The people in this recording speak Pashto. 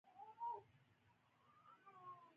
هېواد ته باید کار وکړو